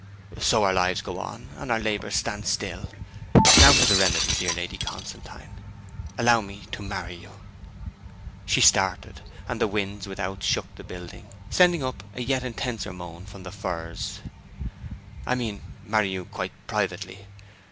'So our lives go on, and our labours stand still. Now for the remedy. Dear Lady Constantine, allow me to marry you.' She started, and the wind without shook the building, sending up a yet intenser moan from the firs. 'I mean, marry you quite privately.